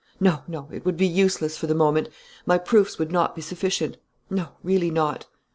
"No, no, it would be useless, for the moment.... My proofs would not be sufficient.... No, really not."